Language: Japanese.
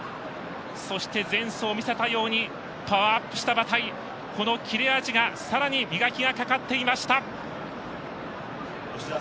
そして、前走見せたようにパワーアップした馬体この切れ味が、さらに磨きがかかっていました。